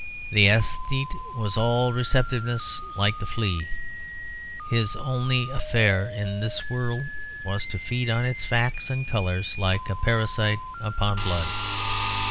The æsthete was all receptiveness, like the flea. His only affair in this world was to feed on its facts and colours, like a parasite upon blood.